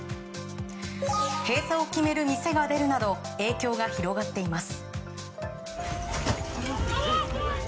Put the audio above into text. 閉鎖を決める店が出るなど影響が広がっています。